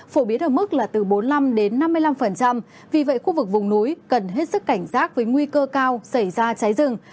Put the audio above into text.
phổ biến ở mức là từ bốn mươi năm năm mươi năm vì vậy khu vực vùng núi cần hết sức cảnh giác với nguy cơ cao xảy ra cháy rừng